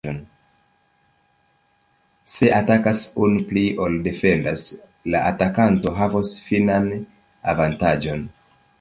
Se atakas unu pli ol defendas, la atakanto havos finan avantaĝon.